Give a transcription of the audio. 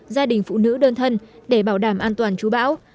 gia đình phụ nữ đơn thân để bảo đảm an toàn chú bão